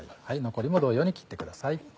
残りも同様に切ってください。